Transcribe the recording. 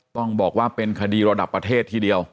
ต้องบอกว่าเป็นคดีระดับประเทศทีเดียว